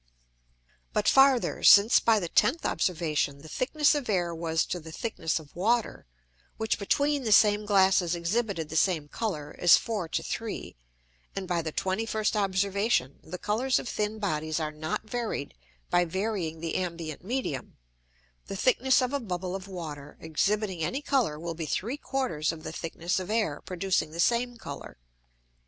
But farther, since by the 10th Observation the thickness of Air was to the thickness of Water, which between the same Glasses exhibited the same Colour, as 4 to 3, and by the 21st Observation the Colours of thin Bodies are not varied by varying the ambient Medium; the thickness of a Bubble of Water, exhibiting any Colour, will be 3/4 of the thickness of Air producing the same Colour.